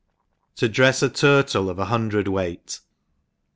jTii Jrejs a Turtle of a hundred Weight.